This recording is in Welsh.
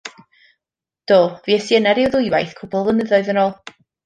Do, fues i yna ryw ddwy waith cwpl o flynyddoedd yn ôl.